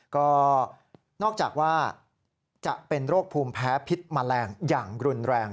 ก็นอกจากว่าจะเป็นโรคภูมิแพ้พิษแมลงอย่างรุนแรง